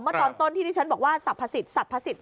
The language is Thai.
ตอนต้นที่ที่ฉันบอกว่าสรรพสิทธิสรรพสิทธิ